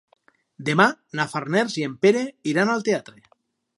Demà na Farners i en Pere iran al teatre.